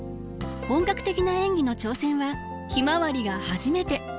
本格的な演技の挑戦は「ひまわり」が初めて。